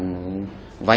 bằng bồ bạc